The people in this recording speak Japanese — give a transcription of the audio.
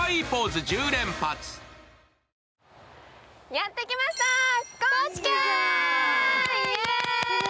やってきました、高知県イエーイ！